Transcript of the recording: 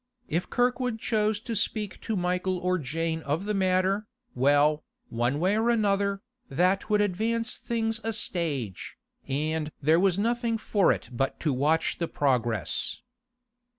If Kirkwood chose to speak to Michael or Jane of the matter, well, one way or another, that would advance things a stage, and there was nothing for it but to watch the progress.